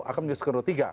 akan menjadi skenario tiga